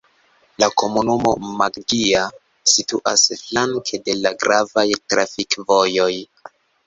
La komunumo Maggia situas flanke de la gravaj trafikvojoj.